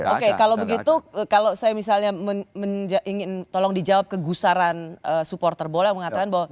oke kalau begitu kalau saya misalnya ingin tolong dijawab kegusaran supporter bola yang mengatakan bahwa